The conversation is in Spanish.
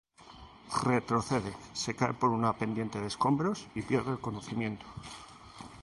Retrocede, se cae por una pendiente de escombros y pierde el conocimiento.